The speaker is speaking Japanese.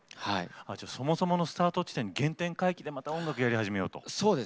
そもそものスタート地点原点回帰でまた音楽をやり始めようと。